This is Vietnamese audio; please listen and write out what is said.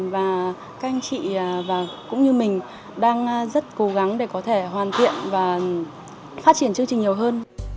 và các anh chị và cũng như mình đang rất cố gắng để có thể hoàn thiện và phát triển chương trình nhiều hơn